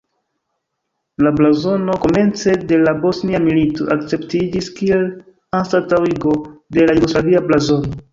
La blazono komence de la Bosnia Milito akceptiĝis kiel anstataŭigo de la jugoslavia blazono.